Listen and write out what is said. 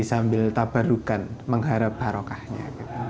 sambil tabarukan mengharap barokahnya